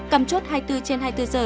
cầm chốt hai mươi bốn trên hai mươi bốn giờ